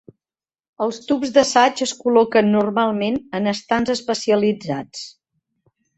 Els tubs d'assaig es col·loquen normalment en estants especialitzats.